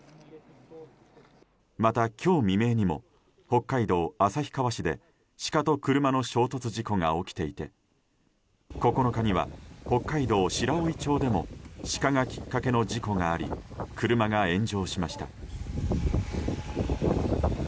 また、今日未明にも北海道旭川市でシカと車の衝突事故が起きていて９日には北海道白老町でもシカがきっかけの事故があり車が炎上しました。